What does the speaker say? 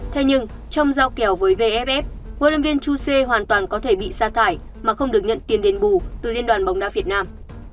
thế nhưng trong giao kèo với vff hlv chu xie hoàn toàn có thể bị sa thải mà không được nhận tiền đền bù từ liên đoàn bóng đá việt nam